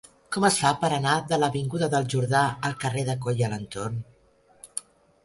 Com es fa per anar de l'avinguda del Jordà al carrer de Coll i Alentorn?